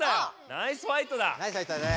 ナイスファイトだね。